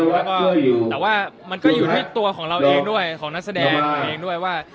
แล้วก็แต่ว่ามันก็อยู่ด้วยตัวของเราเองด้วยของนักแสดงเองด้วยว่า